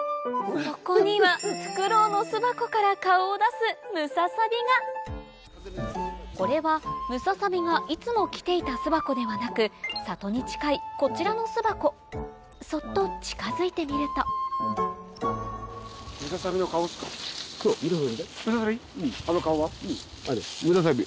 そこにはフクロウの巣箱から顔を出すこれはムササビがいつも来ていた巣箱ではなく里に近いこちらの巣箱そっと近づいてみるとムササビ？